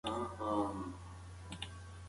تولستوی د خپل هېواد له کلتور سره ډېره مینه لرله.